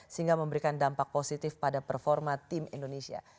sehingga memberikan dampak positif pada performa tim indonesia